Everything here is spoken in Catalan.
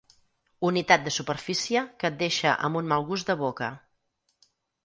Unitat de superfície que et deixa amb un mal gust de boca.